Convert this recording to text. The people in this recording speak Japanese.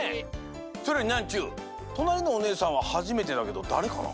それよりニャンちゅうとなりのおねえさんははじめてだけどだれかな？